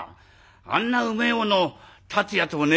あんなうめえものを断つやつもねえもんだな。